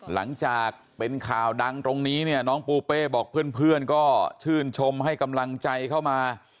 หลังจากเป็นข่าวดังตรงนี้เนี่ยน้องปูเป้บอกเพื่อนก็ชื่นชมให้กำลังใจเข้ามา